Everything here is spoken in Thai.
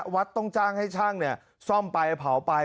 วัดต้องจ้างให้ช่างซ่อมไปเผาไป